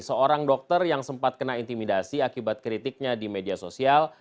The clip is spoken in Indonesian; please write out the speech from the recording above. seorang dokter yang sempat kena intimidasi akibat kritiknya di media sosial